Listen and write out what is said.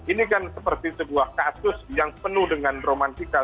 ini kan seperti sebuah kasus yang penuh dengan romantika